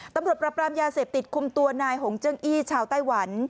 ตำรวจปรับปรามยาเสพติดคุมตัวนายหงเจิ้งอี้ชาวไต้หวัน